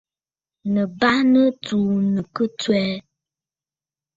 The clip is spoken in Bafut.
Nɨ̀ bàrà tsuu ɨnnù ki tswɛɛ.